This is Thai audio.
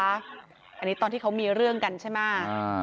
อันนี้ตอนที่เขามีเรื่องกันใช่ไหม